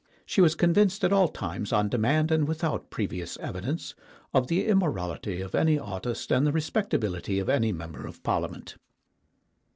She was convinced at all times, on demand and without previous evidence, of the im morality of any artist and the respectability of any member of Parliament.